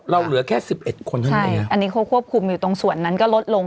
เราเหลือแค่๑๑คนใช่อันนี้ควบควบคุมอยู่ตรงส่วนนั้นก็ลดลง